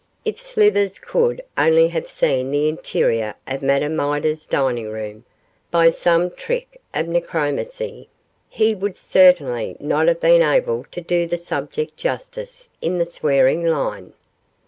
If Slivers could only have seen the interior of Madame Midas's dining room, by some trick of necromancy, he would certainly not have been able to do the subject justice in the swearing line.